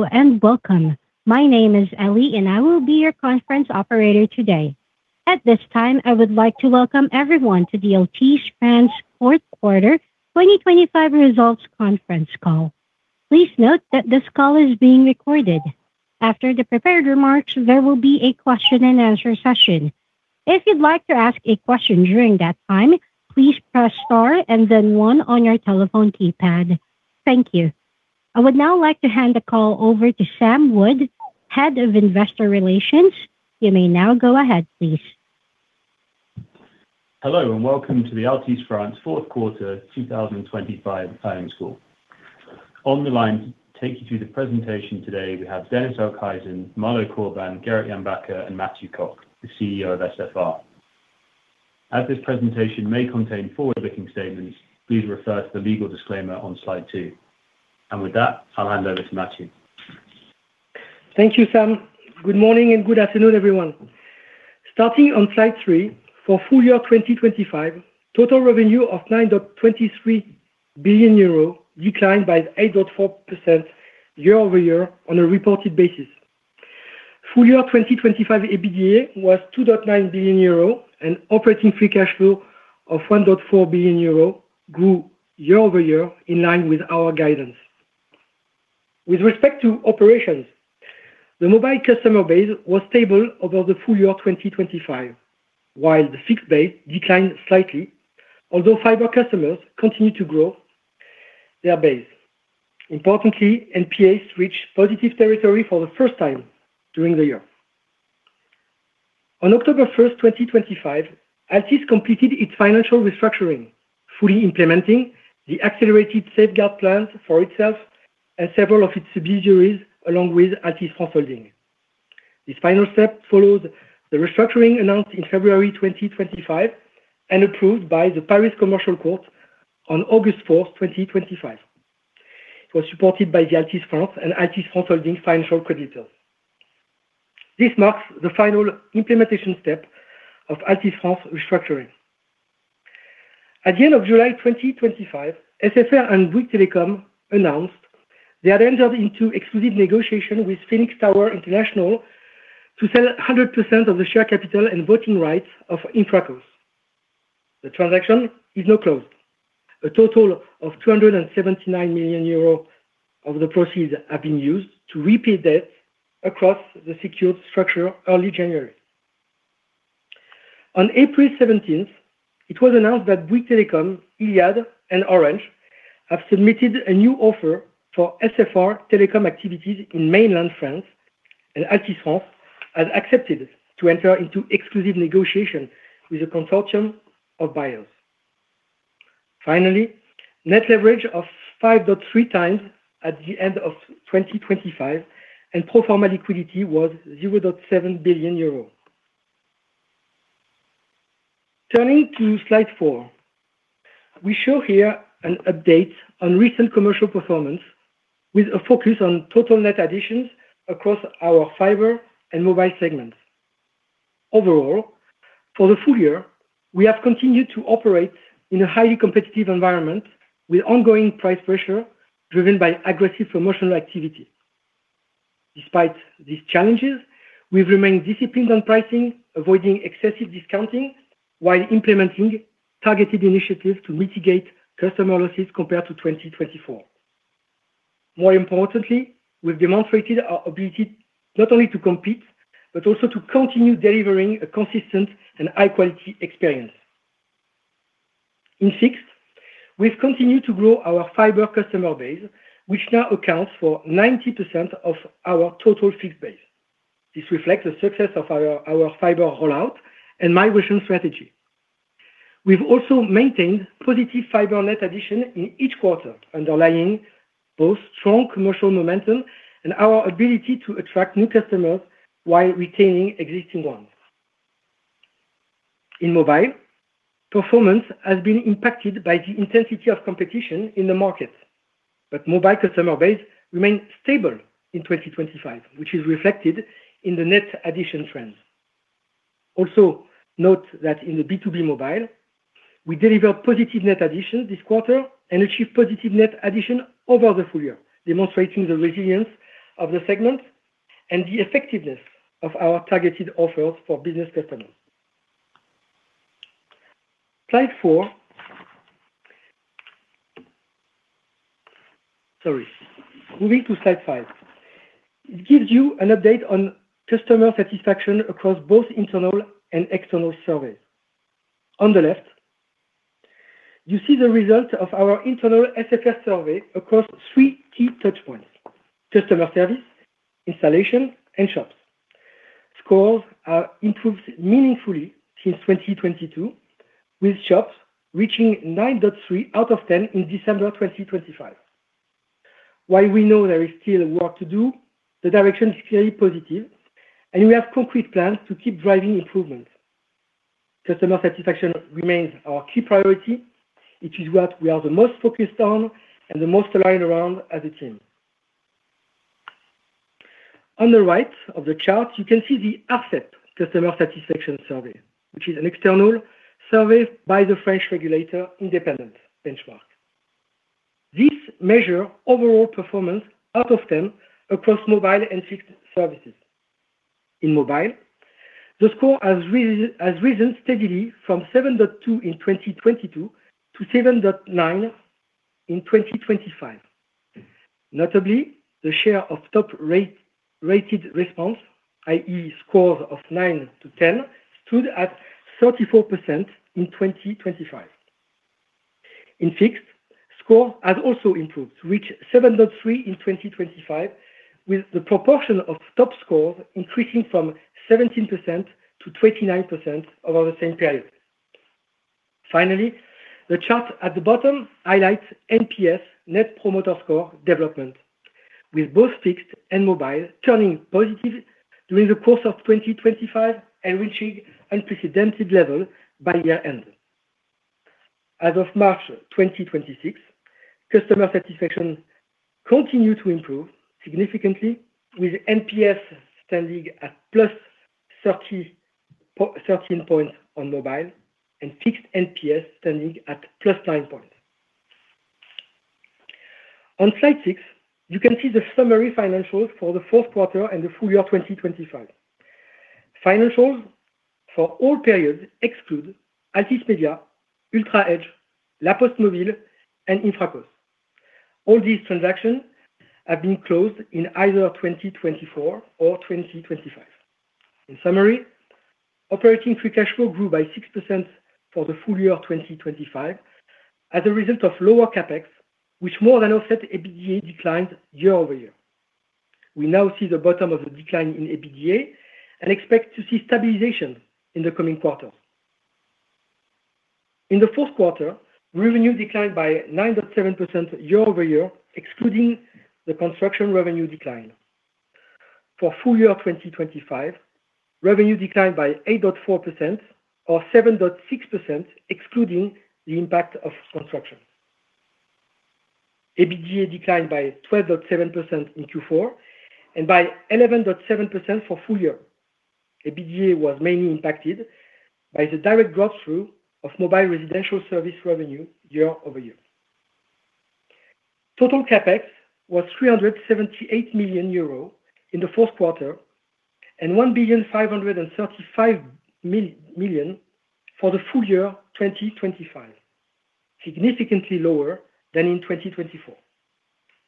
Hello and welcome. My name is Ellie and I will be your conference operator today. At this time, I would like to welcome everyone to the Altice France Fourth Quarter 2025 Results Conference Call. Please note that this call is being recorded. After the prepared remarks, there will be a question and answer session. If you'd like to ask a question during that time, please press star and then one on your telephone keypad. Thank you. I would now like to hand the call over to Sam Wood, Head of Investor Relations. You may now go ahead, please. Hello and welcome to the Altice France Fourth Quarter 2025 Earnings Call. On the line to take you through the presentation today we have Dennis Okhuijsen, Malo Corbin, Gerrit Jan Bakker and Mathieu Cocq, the CEO of SFR. As this presentation may contain forward-looking statements, please refer to the legal disclaimer on slide two. With that, I'll hand over to Mathieu. Thank you, Sam. Good morning and good afternoon, everyone. Starting on slide three, for full year 2025, total revenue of 9.23 billion euro declined by 8.4% year-over-year on a reported basis. Full year 2025 EBITDA was 2.9 billion euro and operating free cash flow of 1.4 billion euro grew year-over-year in line with our guidance. With respect to operations, the mobile customer base was stable over the full year 2025, while the fixed base declined slightly, although fiber customers continued to grow their base. Importantly, NPAs reached positive territory for the first time during the year. On October 1st, 2025, Altice completed its financial restructuring, fully implementing the accelerated safeguard plans for itself and several of its subsidiaries, along with Altice France Holding. This final step follows the restructuring announced in February 2025 and approved by the Paris Commercial Court on August 4th, 2025. It was supported by the Altice France and Altice France Holding financial creditors. This marks the final implementation step of Altice France restructuring. At the end of July 2025, SFR and Bouygues Telecom announced they had entered into exclusive negotiation with Phoenix Tower International to sell 100% of the share capital and voting rights of Infraco. The transaction is now closed. A total of 279 million euros of the proceeds have been used to repay debt across the secured structure early January. On April 17th, it was announced that Bouygues Telecom, Iliad and Orange have submitted a new offer for SFR telecom activities in mainland France, and Altice France has accepted to enter into exclusive negotiation with a consortium of buyers. Finally, net leverage of 5.3x at the end of 2025. Pro forma liquidity was 0.7 billion euros. Turning to slide four. We show here an update on recent commercial performance with a focus on total net additions across our fiber and mobile segments. Overall, for the full year, we have continued to operate in a highly competitive environment with ongoing price pressure driven by aggressive promotional activity. Despite these challenges, we've remained disciplined on pricing, avoiding excessive discounting while implementing targeted initiatives to mitigate customer losses compared to 2024. Importantly, we've demonstrated our ability not only to compete, but also to continue delivering a consistent and high-quality experience. In fixed, we've continued to grow our fiber customer base, which now accounts for 90% of our total fixed base. This reflects the success of our fiber rollout and migration strategy. We've also maintained positive fiber net addition in each quarter, underlying both strong commercial momentum and our ability to attract new customers while retaining existing ones. In mobile, performance has been impacted by the intensity of competition in the market, but mobile customer base remained stable in 2025, which is reflected in the net addition trends. Note that in the B2B mobile, we delivered positive net addition this quarter and achieved positive net addition over the full year, demonstrating the resilience of the segment and the effectiveness of our targeted offers for business customers. Slide four. Sorry. Moving to slide five. It gives you an update on customer satisfaction across both internal and external surveys. On the left, you see the result of our internal SFR survey across three key touchpoints: customer service, installation, and shops. Scores are improved meaningfully since 2022, with shops reaching 9.3 out of 10 in December 2025. While we know there is still work to do, the direction is clearly positive, and we have concrete plans to keep driving improvement. Customer satisfaction remains our key priority, which is what we are the most focused on and the most aligned around as a team. On the right of the chart, you can see the ARCEP customer satisfaction survey, which is an external survey by the French regulator independent benchmark. This measure overall performance out of 10 across mobile and fixed services. In mobile, the score has risen steadily from 7.2 in 2022 to 7.9 in 2025. Notably, the share of top rated response, i.e. scores of 9-10, stood at 34% in 2025. In fixed, score has also improved to reach 7.3 in 2025, with the proportion of top scores increasing from 17%-29% over the same period. Finally, the chart at the bottom highlights NPS Net Promoter Score development, with both fixed and mobile turning positive during the course of 2025 and reaching unprecedented level by year-end. As of March 2026, customer satisfaction continued to improve significantly, with NPS standing at +13 points on mobile and fixed NPS standing at +9 points. On slide six, you can see the summary financials for the fourth quarter and the full year 2025. Financials for all periods exclude Altice Media, UltraEdge, La Poste Mobile and Infraco. All these transactions have been closed in either 2024 or 2025. In summary, operating free cash flow grew by 6% for the full year of 2025 as a result of lower CapEx, which more than offset EBITDA declines year-over-year. We now see the bottom of the decline in EBITDA and expect to see stabilization in the coming quarters. In the fourth quarter, revenue declined by 9.7% year-over-year, excluding the construction revenue decline. For full year 2025, revenue declined by 8.4% or 7.6% excluding the impact of construction. EBITDA declined by 12.7% in Q4 and by 11.7% for full year. EBITDA was mainly impacted by the direct drop through of mobile residential service revenue year-over-year. Total CapEx was 378 million euro in the fourth quarter, and 1,535,000,000 for the full year 2025, significantly lower than in 2024.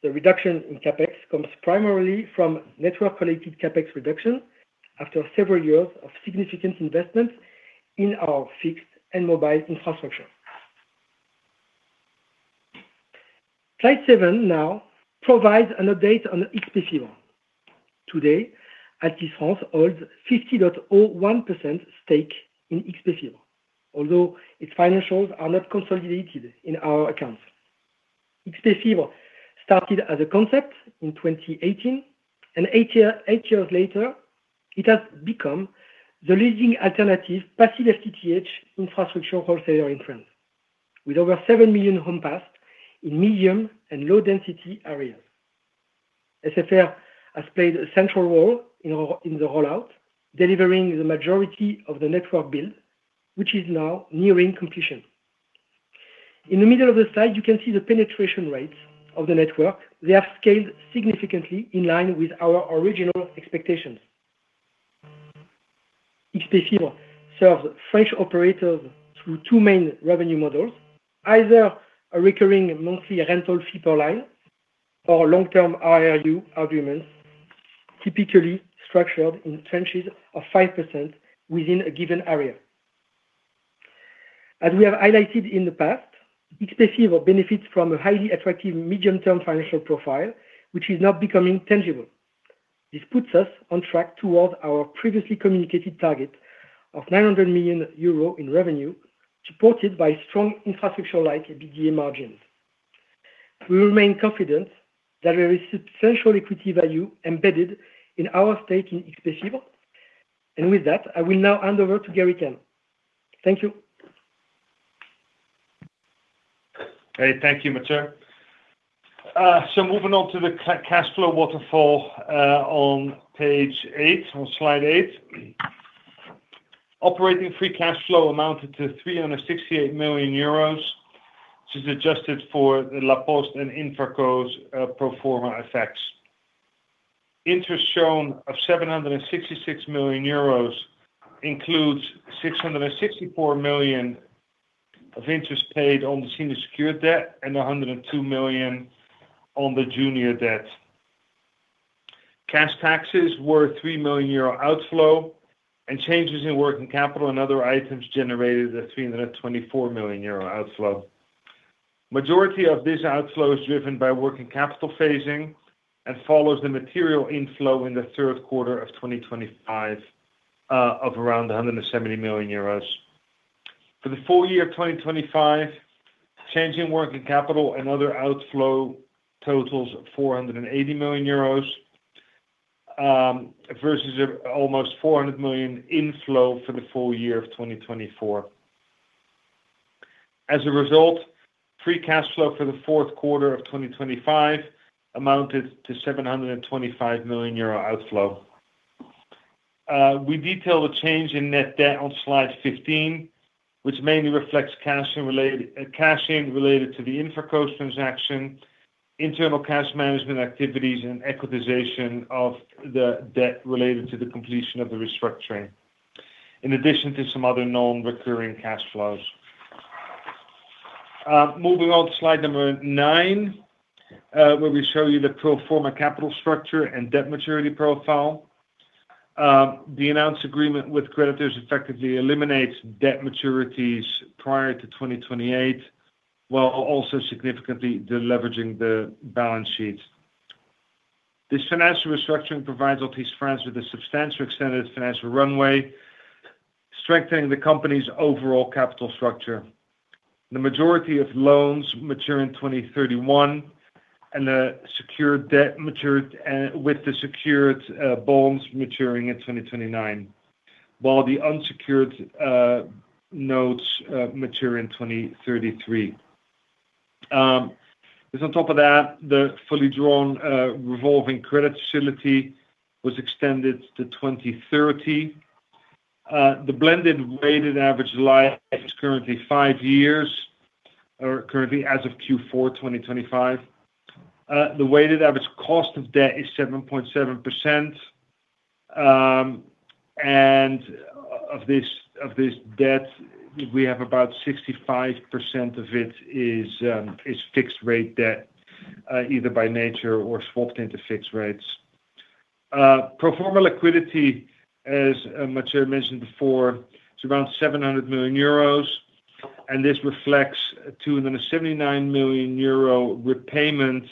The reduction in CapEx comes primarily from network-related CapEx reduction after several years of significant investment in our fixed and mobile infrastructure. Slide seven now provides an update on XpFibre. Today, Altice France holds 50.01% stake in XpFibre, although its financials are not consolidated in our accounts. XpFibre started as a concept in 2018, and eight years later, it has become the leading alternative passive FTTH infrastructure wholesaler in France, with over 7 million home passed in medium and low density areas. SFR has played a central role in the rollout, delivering the majority of the network build, which is now nearing completion. In the middle of the slide, you can see the penetration rates of the network. They have scaled significantly in line with our original expectations. XpFibre serves French operators through two main revenue models, either a recurring monthly rental fee per line or long-term IRU agreements, typically structured in tranches of 5% within a given area. As we have highlighted in the past, XpFibre benefits from a highly attractive medium-term financial profile, which is now becoming tangible. This puts us on track towards our previously communicated target of 900 million euro in revenue, supported by strong infrastructure like EBITDA margins. We remain confident that there is substantial equity value embedded in our stake in XpFibre. With that, I will now hand over to Gerrit Jan. Thank you. Okay. Thank you, Mathieu. Moving on to the cash flow waterfall on page eight, on slide eight. Operating free cash flow amounted to 368 million euros, which is adjusted for the La Poste and Infracos' pro forma effects. Interest shown of 766 million euros includes 664 million of interest paid on the senior secured debt and 102 million on the junior debt. Cash taxes were 3 million euro outflow, and changes in working capital and other items generated a 324 million euro outflow. Majority of this outflow is driven by working capital phasing and follows the material inflow in the third quarter of 2025 of around 170 million euros. For the full year 2025, change in working capital and other outflow totals 480 million euros, versus almost 400 million inflow for the full year of 2024. As a result, free cash flow for the fourth quarter of 2025 amounted to 725 million euro outflow. We detail the change in net debt on slide 15, which mainly reflects cash in related to the Infraco transaction, internal cash management activities, and equitization of the debt related to the completion of the restructuring, in addition to some other non-recurring cash flows. Moving on to slide number nine, where we show you the pro forma capital structure and debt maturity profile. The announced agreement with creditors effectively eliminates debt maturities prior to 2028, while also significantly de-leveraging the balance sheet. This financial restructuring provides Altice France with a substantial extended financial runway, strengthening the company's overall capital structure. The majority of loans mature in 2031, and the secured debt matured, with the secured bonds maturing in 2029, while the unsecured notes mature in 2033. Just on top of that, the fully drawn revolving credit facility was extended to 2030. The blended weighted average life is currently five years, or currently as of Q4 2025. The weighted average cost of debt is 7.7%. Of this debt, we have about 65% of it is fixed rate debt, either by nature or swapped into fixed rates. Pro forma liquidity, as Mathieu mentioned before, is around 700 million euros, and this reflects 279 million euro repayment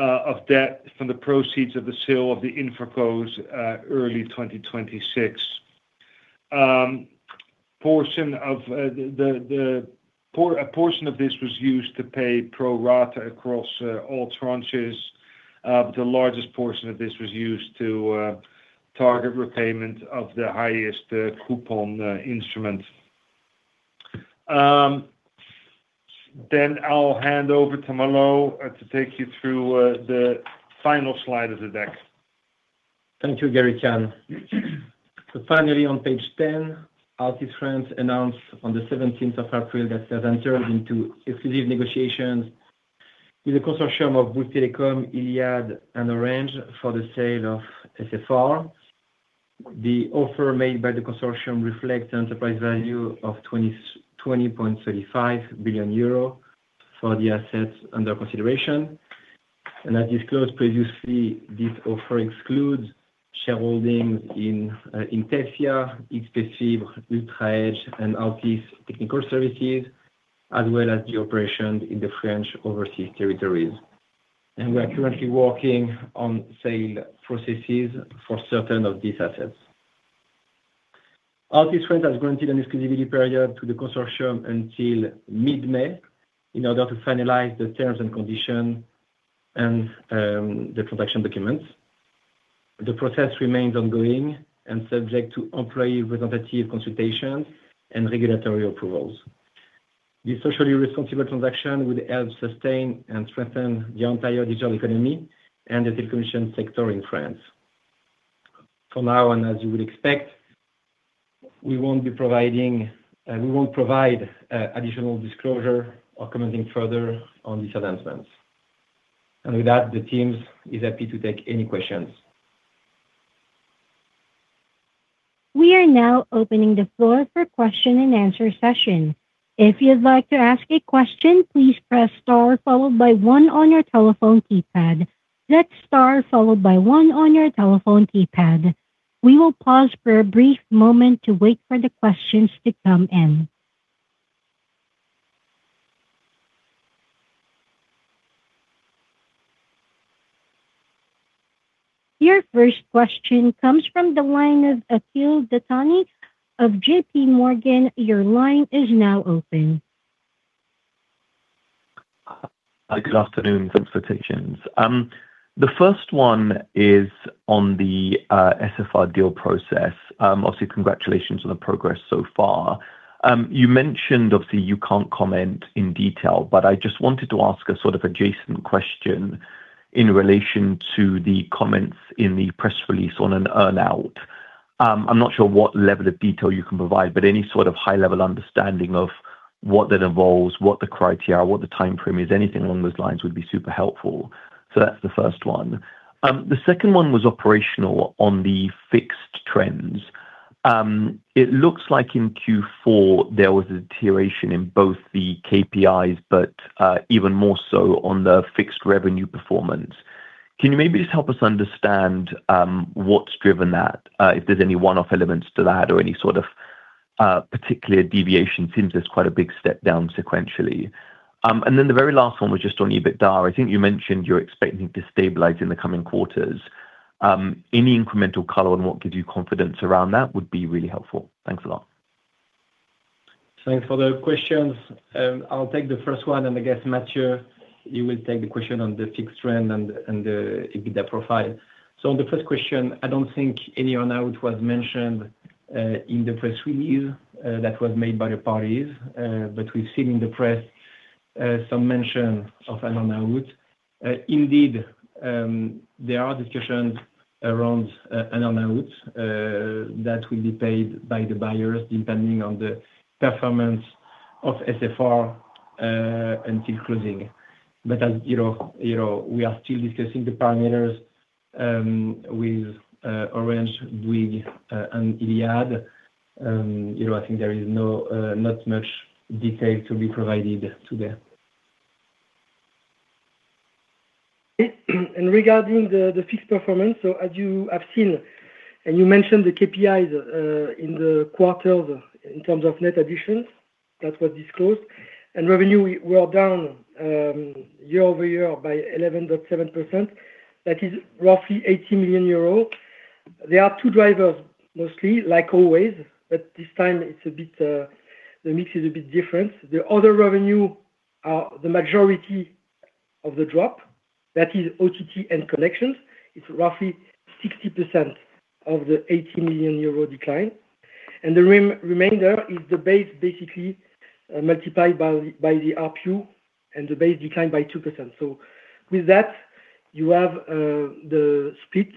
of debt from the proceeds of the sale of the Infracos at early 2026. A portion of this was used to pay pro rata across all tranches. The largest portion of this was used to target repayment of the highest coupon instrument. I'll hand over to Malo to take you through the final slide of the deck. Thank you, Gerrit Jan. Finally, on page 10, Altice France announced on April 17th that they have entered into exclusive negotiations with a consortium of Bouygues Telecom, Iliad, and Orange for the sale of SFR. The offer made by the consortium reflects the enterprise value of 20.35 billion euro for the assets under consideration. As disclosed previously, this offer excludes shareholdings in Intelcia, XpFibre, UltraEdge, and Altice Technical Services, as well as the operations in the French overseas territories. We are currently working on sale processes for certain of these assets. Altice France has granted an exclusivity period to the consortium until mid-May in order to finalize the terms and conditions and the transaction documents. The process remains ongoing and subject to employee representative consultations and regulatory approvals. This socially responsible transaction would help sustain and strengthen the entire digital economy and the telecommunications sector in France. For now, and as you would expect, we won't provide additional disclosure or commenting further on these advancements. With that, the teams is happy to take any questions. We are now opening the floor for question and answer session. If you'd like to ask a question, please press star followed by one on your telephone keypad. That's star followed by one on your telephone keypad. We will pause for a brief moment to wait for the questions to come in. Your first question comes from the line of Akhil Dattani of JPMorgan. Your line is now open. Good afternoon. Thanks for taking this. The first one is on the SFR deal process. Obviously, congratulations on the progress so far. You mentioned, obviously, you can't comment in detail. I just wanted to ask a sort of adjacent question in relation to the comments in the press release on an earn-out. I'm not sure what level of detail you can provide. Any sort of high-level understanding of what that involves, what the criteria, what the timeframe is, anything along those lines would be super helpful. That's the first one. The second one was operational on the fixed trends. It looks like in Q4, there was a deterioration in both the KPIs, even more so on the fixed revenue performance. Can you maybe just help us understand what's driven that, if there's any one-off elements to that or any sort of particular deviation? Seems there's quite a big step down sequentially. The very last one was just on EBITDA. I think you mentioned you're expecting to stabilize in the coming quarters. Any incremental color on what gives you confidence around that would be really helpful. Thanks a lot. Thanks for the questions. I'll take the first one, and I guess, Mathieu, you will take the question on the fixed trend and the EBITDA profile. On the first question, I don't think any earn-out was mentioned in the press release that was made by the parties, but we've seen in the press some mention of an earn-out. Indeed, there are discussions around an earn-out that will be paid by the buyers depending on the performance of SFR until closing. As you know, we are still discussing the parameters with Orange and Iliad. You know, I think there is no not much detail to be provided today. Regarding the fixed performance, as you have seen, and you mentioned the KPIs, in the quarter in terms of net additions, that was disclosed. Revenue, we are down year-over-year by 11.7%. That is roughly 80 million euros. There are two drivers mostly, like always, but this time it's a bit, the mix is a bit different. The other revenue, the majority of the drop, that is OTT and collections, is roughly 60% of the 80 million euro decline. The remainder is the base, basically, multiplied by the ARPU, and the base declined by 2%. With that, you have the split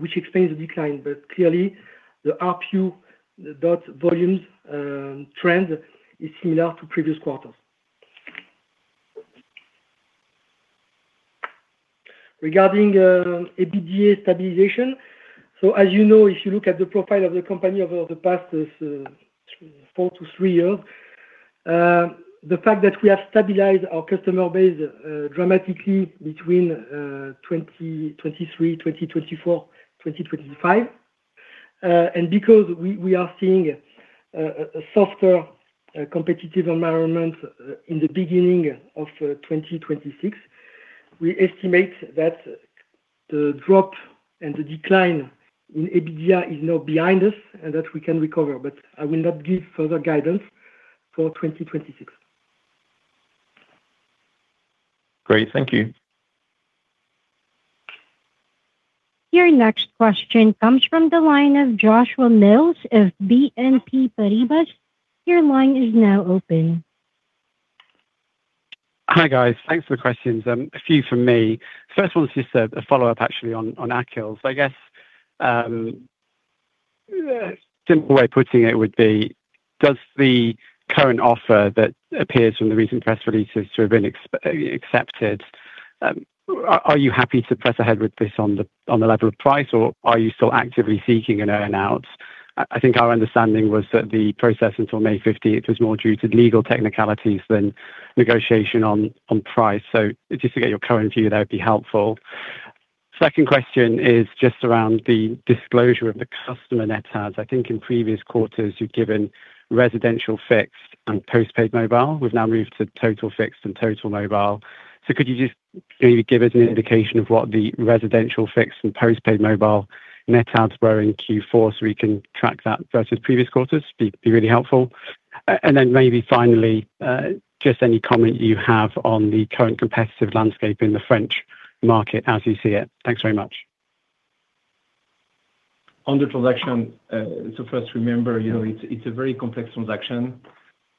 which explains the decline. Clearly the ARPU, the data volumes, trend is similar to previous quarters. Regarding EBITDA stabilization, as you know, if you look at the profile of the company over the past four-three years, the fact that we have stabilized our customer base dramatically between 2023, 2024, 2025. Because we are seeing a softer competitive environment in the beginning of 2026, we estimate that the drop and the decline in EBITDA is now behind us and that we can recover. I will not give further guidance for 2026. Great. Thank you. Your next question comes from the line of Joshua Mills of BNP Paribas. Your line is now open. Hi guys. Thanks for the questions. A few from me. First one's just a follow-up actually on Akhil's. I guess, a simple way of putting it would be, does the current offer that appears from the recent press releases to have been accepted, are you happy to press ahead with this on the level of price, or are you still actively seeking an earn-out? I think our understanding was that the process until May 15 was more due to legal technicalities than negotiation on price. Just to get your current view there would be helpful. Second question is just around the disclosure of the customer net adds. I think in previous quarters you've given residential fixed and post-paid mobile. We've now moved to total fixed and total mobile. Could you just maybe give us an indication of what the residential fixed and post-paid mobile net adds were in Q4 so we can track that versus previous quarters? Be really helpful. Then maybe finally, just any comment you have on the current competitive landscape in the French market as you see it. Thanks very much. On the transaction, first remember, you know, it's a very complex transaction.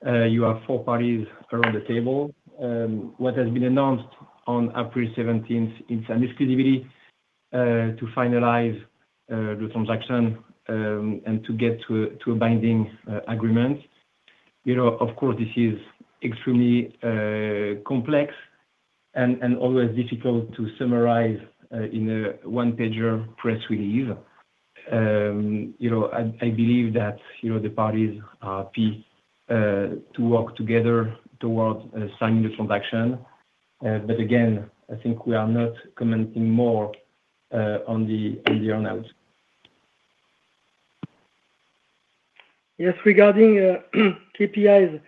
You have four parties around the table. What has been announced on April 17th is an exclusivity to finalize the transaction and to get to a binding agreement. You know, of course, this is extremely complex and always difficult to summarize in a one-pager press release. You know, I believe that, you know, the parties are pleased to work together towards signing the transaction. Again, I think we are not commenting more on the earn-outs. Yes, regarding KPIs,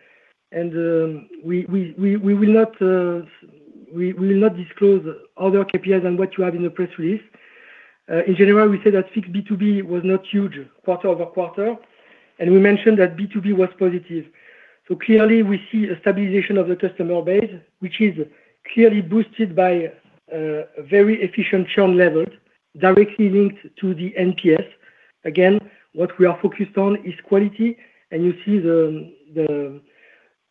we will not disclose other KPIs than what you have in the press release. In general, we said that fixed B2B was not huge quarter-over-quarter, and we mentioned that B2B was positive. Clearly we see a stabilization of the customer base, which is clearly boosted by very efficient churn levels directly linked to the NPS. Again, what we are focused on is quality, and you see the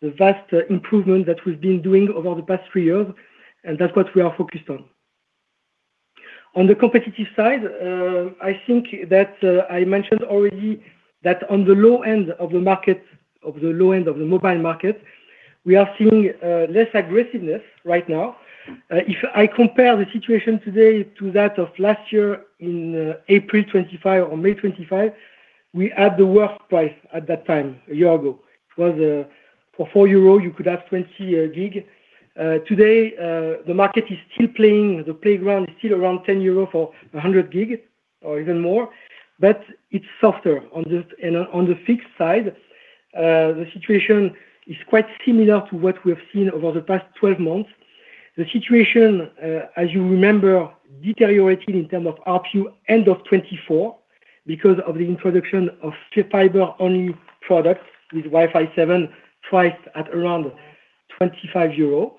vast improvement that we've been doing over the past three years, and that's what we are focused on. On the competitive side, I think that I mentioned already that on the low end of the mobile market, we are seeing less aggressiveness right now. If I compare the situation today to that of last year in April 25 or May 25, we had the worst price at that time, a year ago. It was for 4 euros you could have 20 gig. Today, the market is still playing. The playground is still around 10 euros for 100 gig or even more, but it's softer. On the fixed side, the situation is quite similar to what we have seen over the past 12 months. The situation, as you remember, deteriorated in terms of ARPU end of 2024 because of the introduction of fiber-only products with Wi-Fi 7 priced at around 25 euros.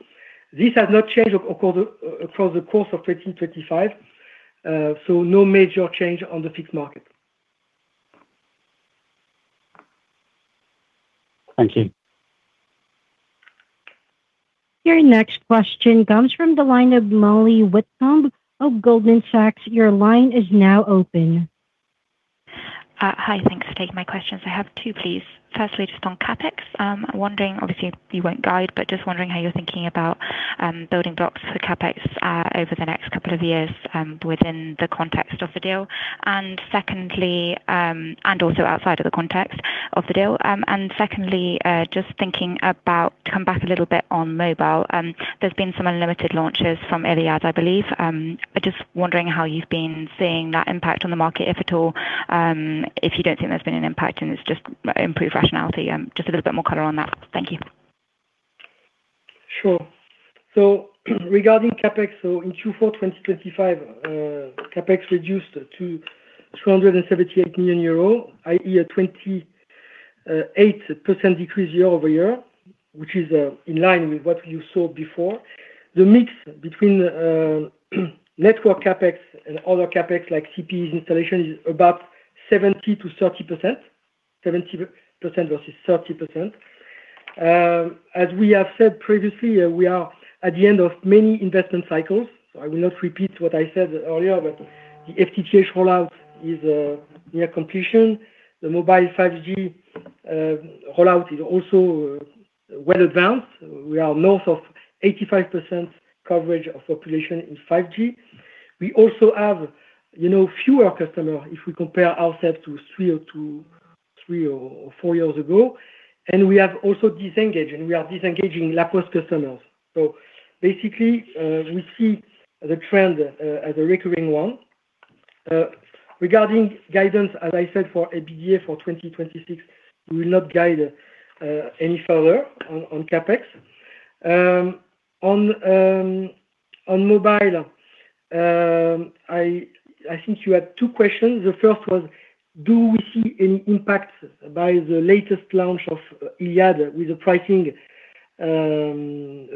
This has not changed across the course of 2025, so no major change on the fixed market. Thank you. Your next question comes from the line of Molly Whitcomb of Goldman Sachs. Your line is now open. Hi. Thanks for taking my questions. I have two, please. Firstly, just on CapEx. I'm wondering, obviously you won't guide, but just wondering how you're thinking about building blocks for CapEx over the next couple of years within the context of the deal. Secondly, and also outside of the context of the deal. Secondly, just thinking about to come back a little bit on mobile. There's been some unlimited launches from Iliad, I believe. Just wondering how you've been seeing that impact on the market, if at all. If you don't think there's been an impact and it's just improved rationality, just a little bit more color on that. Thank you. Sure. Regarding CapEx, in Q4 2025, CapEx reduced to 278 million euro, i.e. a 28% decrease year-over-year, which is in line with what you saw before. The mix between network CapEx and other CapEx like CPEs installation is about 70%-30%. 70% versus 30%. As we have said previously, we are at the end of many investment cycles. I will not repeat what I said earlier, but the FTTH rollout is near completion. The mobile 5G rollout is also well advanced. We are north of 85% coverage of population in 5G. We also have, you know, fewer customer if we compare ourselves to three or two, three or four years ago, and we have also disengage, and we are disengaging La Poste customers. Basically, we see the trend as a recurring one. Regarding guidance, as I said, for EBITDA for 2026, we will not guide any further on CapEx. On mobile, I think you had two questions. The first was, do we see any impact by the latest launch of Iliad with the pricing,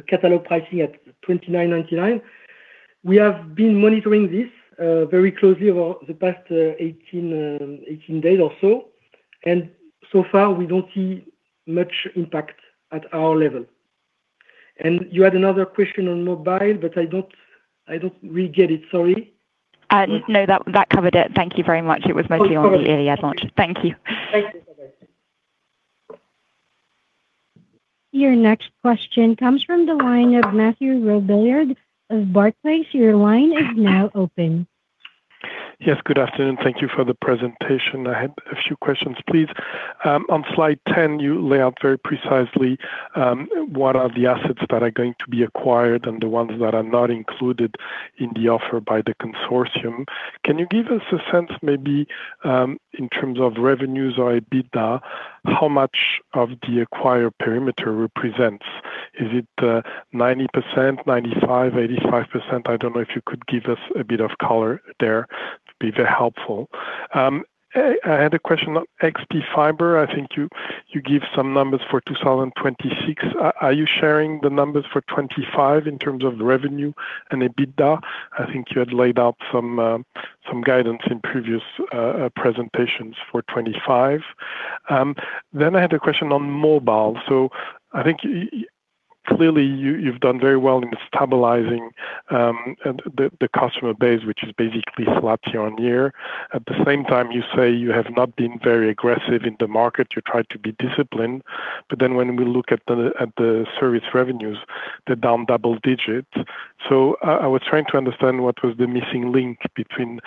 catalog pricing at 29.99. We have been monitoring this very closely over the past 18 days or so. So far we don't see much impact at our level. You had another question on mobile, but I don't really get it. Sorry. No, that covered it. Thank you very much. It was mostly on the Iliad launch. Thank you. Thank you. Your next question comes from the line of Mathieu Robilliard of Barclays. Your line is now open. Yes, good afternoon. Thank you for the presentation. I had a few questions, please. On slide 10, you lay out very precisely what are the assets that are going to be acquired and the ones that are not included in the offer by the consortium. Can you give us a sense maybe, in terms of revenues or EBITDA, how much of the acquired perimeter represents? Is it 90%, 95%, 85%? I don't know if you could give us a bit of color there. It'd be very helpful. I had a question on XpFibre. I think you give some numbers for 2026. Are you sharing the numbers for 2025 in terms of revenue and EBITDA? I think you had laid out some guidance in previous presentations for 2025. I had a question on mobile. I think clearly you've done very well in stabilizing the customer base, which is basically flat year-on-year. At the same time, you say you have not been very aggressive in the market. You try to be disciplined. When we look at the service revenues, they're down double-digits. I was trying to understand what was the missing link between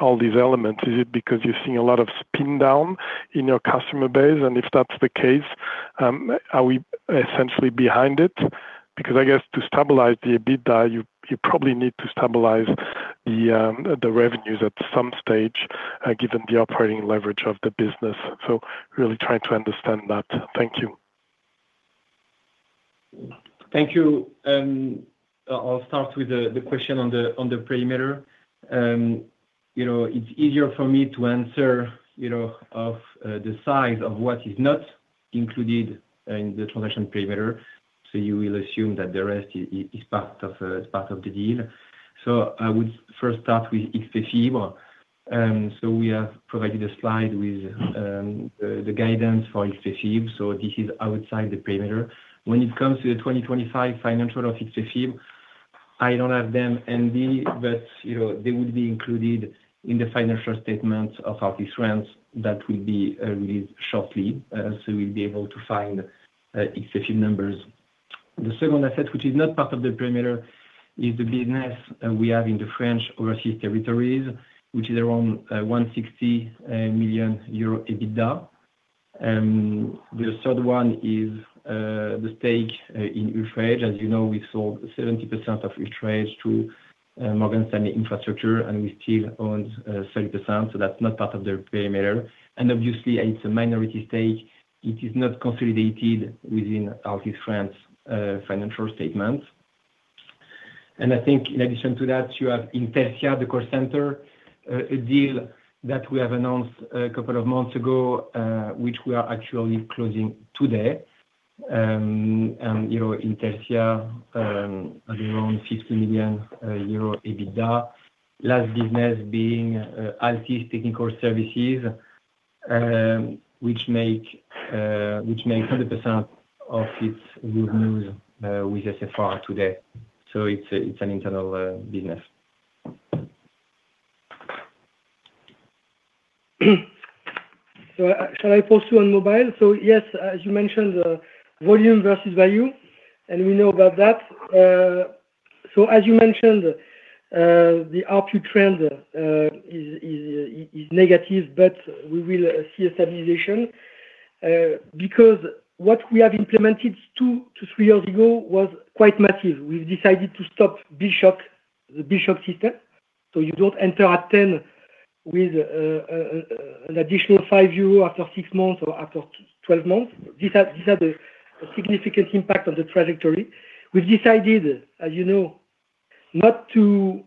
all these elements. Is it because you're seeing a lot of spin down in your customer base? If that's the case, are we essentially behind it? I guess to stabilize the EBITDA, you probably need to stabilize the revenues at some stage, given the operating leverage of the business. Really trying to understand that. Thank you. Thank you. I'll start with the question on the perimeter. You know, it's easier for me to answer, you know, of the size of what is not included in the transaction perimeter. You will assume that the rest is part of the deal. I would first start with XpFibre. We have provided a slide with the guidance for XpFibre. This is outside the perimeter. When it comes to the 2025 financial of XpFibre, I don't have them handy, but you know, they would be included in the financial statements of Altice France that will be released shortly. We'll be able to find XpFibre numbers. The second asset, which is not part of the perimeter, is the business we have in the French overseas territories, which is around 160 million euro EBITDA. The third one is the stage in UltraEdge. As you know, we sold 70% of UltraEdge to Morgan Stanley Infrastructure, we still own 30%, so that's not part of the perimeter. Obviously, it's a minority stake. It is not consolidated within Altice France's financial statement. I think in addition to that, you have Intelcia, the call center, a deal that we have announced a couple of months ago, which we are actually closing today. You know, in Intelcia, around 50 million EBITDA. Last business being Altice Technical Services, which makes 100% of its revenues with SFR today. It's an internal business. Shall I proceed on mobile? Yes, as you mentioned, volume versus value, and we know about that. As you mentioned, the ARPU trend is negative, but we will see a stabilization. Because what we have implemented two-three years ago was quite massive. We've decided to stop bishop, the bishop system, so you don't enter at 10 with an additional 5 euro after six months or after 12 months. These are the significant impact of the trajectory. We've decided, as you know, not to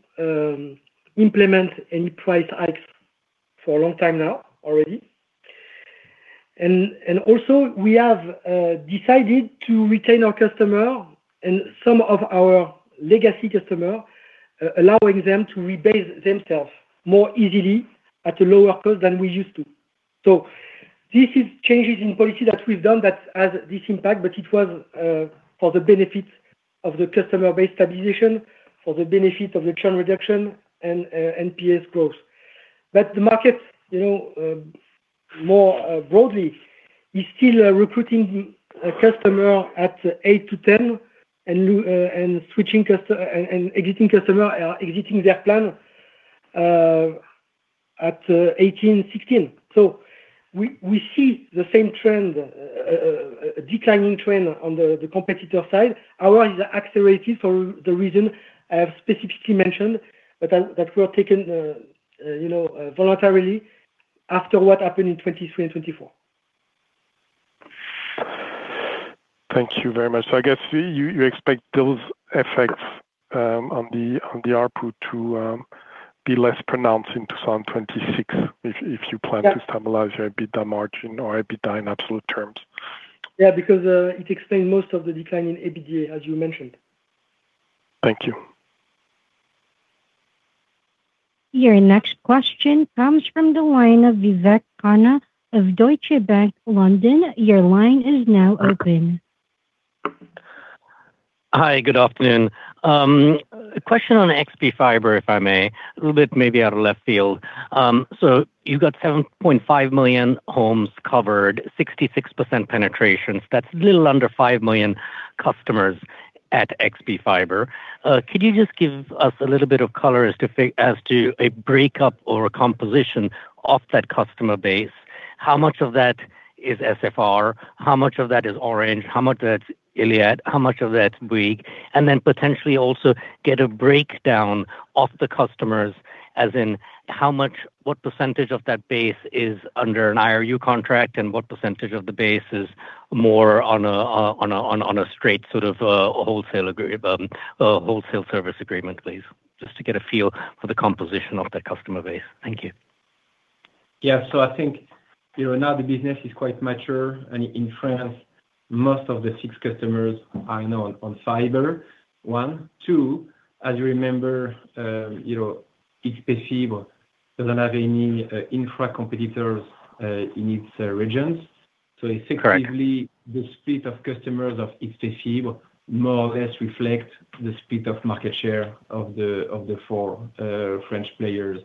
implement any price hikes for a long time now already. Also, we have decided to retain our customer and some of our legacy customer, allowing them to rebase themselves more easily at a lower cost than we used to. This is changes in policy that we've done that has this impact, but it was for the benefit of the customer base stabilization, for the benefit of the churn reduction and NPS growth. The market, you know, more broadly is still recruiting the customer at eight-10 and switching and exiting customer, exiting their plan at 18 and 16. We see the same trend, a declining trend on the competitor side. Our is accelerated for the reason I have specifically mentioned, but that we are taking, you know, voluntarily after what happened in 2023 and 2024. Thank you very much. I guess you expect those effects, on the ARPU to be less pronounced in 2026 if you plan- Yeah. To stabilize your EBITDA margin or EBITDA in absolute terms. Yeah, because, it explains most of the decline in EBITDA, as you mentioned. Thank you. Your next question comes from the line of Vivek Khanna of Deutsche Bank, London. Your line is now open. Hi. Good afternoon. A question on XpFibre, if I may. A little bit maybe out of left field. You've got 7.5 million homes covered, 66% penetration. That's a little under 5 million customers at XpFibre. Could you just give us a little bit of color as to a breakup or a composition of that customer base? How much of that is SFR? How much of that is Orange? How much of that's Iliad? How much of that's Bouygues? Potentially also get a breakdown of the customers, as in what percentage of that base is under an IRU contract, and what percentage of the base is more on a straight sort of a wholesale service agreement, please? Just to get a feel for the composition of that customer base. Thank you. Yeah. I think, you know, now the business is quite mature, and in France, most of the six customers are now on fiber, one. Two, as you remember, you know, ARCEP doesn't have any infra competitors in its regions. Correct. Effectively, the split of customers of each PC more or less reflect the split of market share of the four French players.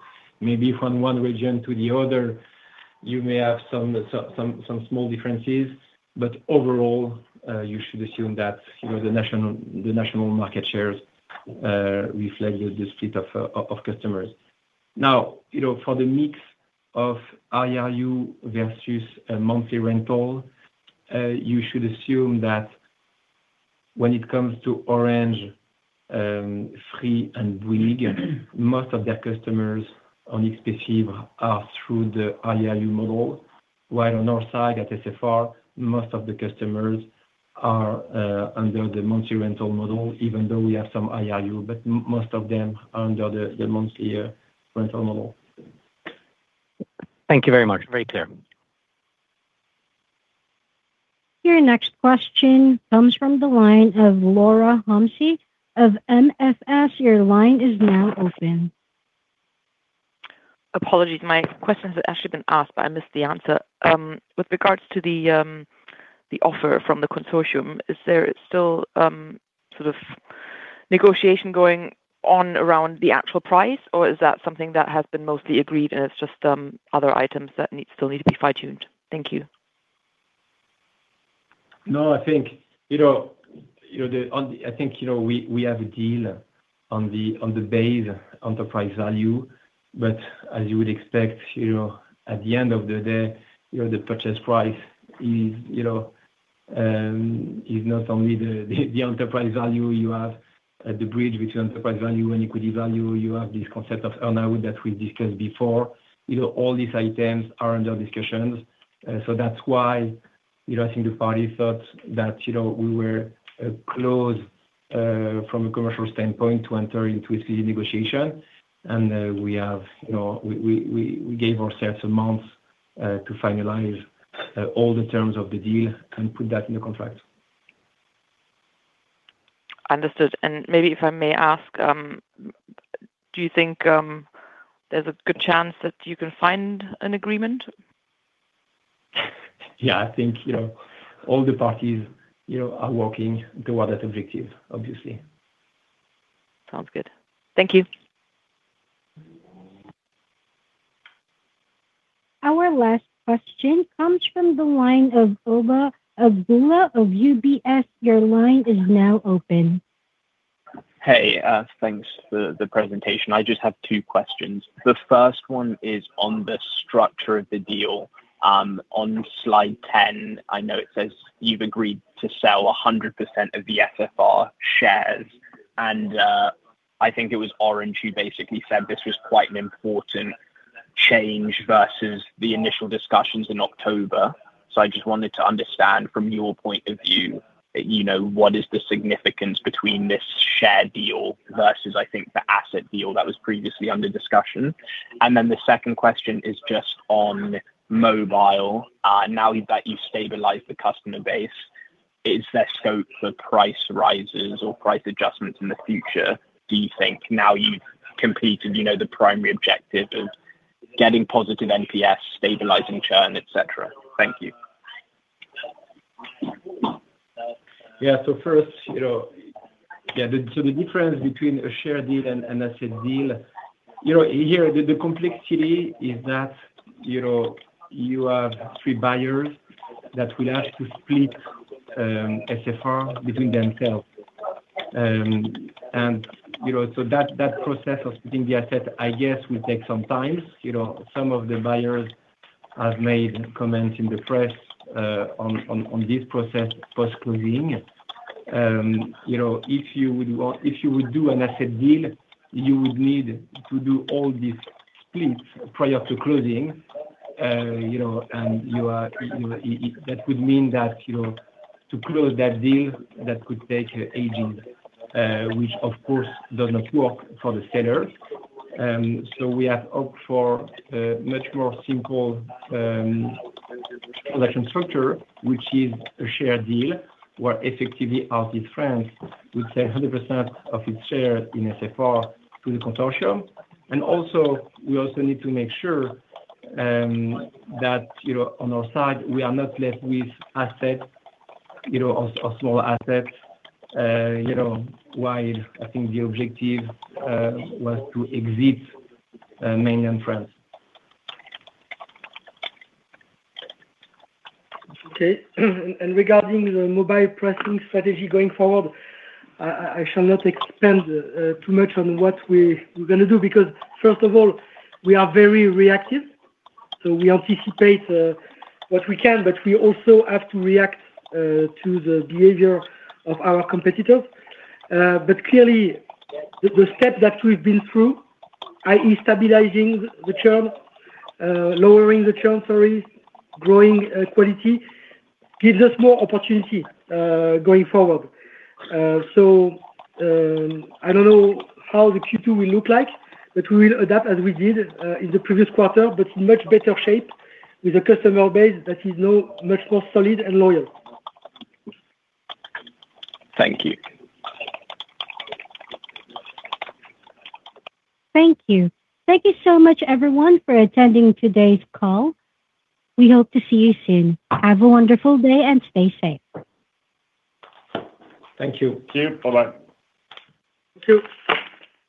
Overall, you should assume that, you know, the national market shares reflect the split of customers. You know, for the mix of IRU versus a monthly rental, you should assume that when it comes to Orange, Free and Bouygues, most of their customers on each PC are through the IRU model. While on our side, at SFR, most of the customers are under the monthly rental model, even though we have some IRU. Most of them are under the monthly rental model. Thank you very much. Very clear. Your next question comes from the line of Laura Homsy of MFS. Your line is now open. Apologies. My question has actually been asked, but I missed the answer. With regards to the offer from the consortium, is there still, sort of negotiation going on around the actual price, or is that something that has been mostly agreed and it's just, other items that still need to be fine-tuned? Thank you. No, I think, you know, I think, you know, we have a deal on the base enterprise value. As you would expect, you know, at the end of the day, you know, the purchase price is, you know, is not only the enterprise value. You have the bridge between enterprise value and equity value. You have this concept of earn-out that we discussed before. You know, all these items are under discussions. That's why, you know, I think the party thought that, you know, we were close from a commercial standpoint to enter into a CD negotiation. We have, you know, we gave ourselves a month to finalize all the terms of the deal and put that in the contract. Understood. Maybe if I may ask, do you think there's a good chance that you can find an agreement? Yeah. I think, you know, all the parties, you know, are working toward that objective, obviously. Sounds good. Thank you. Our last question comes from the line of Uba Abdullah of UBS. Your line is now open. Hey. Thanks for the presentation. I just have two questions. The first one is on the structure of the deal. On slide 10, I know it says you've agreed to sell 100% of the SFR shares. I think it was Orange who basically said this was quite an important change versus the initial discussions in October. I just wanted to understand from your point of view, you know, what is the significance between this share deal versus I think the asset deal that was previously under discussion? The second question is just on mobile. Now that you've stabilized the customer base, is there scope for price rises or price adjustments in the future, do you think now you've completed, you know, the primary objective of getting positive NPS, stabilizing churn, et cetera? Thank you. So first, you know, yeah, so the difference between a share deal and an asset deal, you know, here, the complexity is that, you know, you have three buyers that will have to split SFR between themselves. You know, so that process of splitting the asset, I guess, will take some time. You know, some of the buyers have made comments in the press on this process post-closing. You know, if you would do an asset deal, you would need to do all these splits prior to closing. You know, you are, you know, that would mean that, you know, to close that deal, that could take ages. Which of course does not work for the sellers. We have opt for a much more simple selection structure, which is a share deal, where effectively Altice France would sell 100% of its shares in SFR to the consortium. We also need to make sure that, you know, on our side, we are not left with assets, you know, or small assets, you know, while I think the objective was to exit mainland France. Okay. Regarding the mobile pricing strategy going forward, I shall not expand too much on what we're gonna do, because first of all, we are very reactive. We anticipate what we can, but we also have to react to the behavior of our competitors. Clearly the step that we've been through, i.e., stabilizing the churn, lowering the churn, sorry, growing quality, gives us more opportunity going forward. I don't know how the Q2 will look like, but we will adapt as we did in the previous quarter, but in much better shape with a customer base that is now much more solid and loyal. Thank you. Thank you. Thank you so much, everyone, for attending today's call. We hope to see you soon. Have a wonderful day and stay safe. Thank you. Thank you. Bye-bye. Thank you.